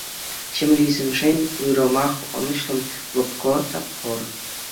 Ҫемьеллисемшӗн уйрӑмах ӑнӑҫлӑ, лӑпкӑ тапхӑр.